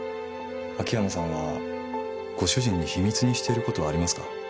秋山さんはご主人に秘密にしていることはありますか？